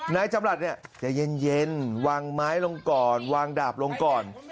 นายจำรัฐเนี่ยจะเย็นวางไม้ลงก่อนวางดาบลงก่อน